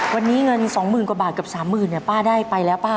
วันนี้เงิน๒๐๐๐กว่าบาทเกือบ๓๐๐๐ป้าได้ไปแล้วป้า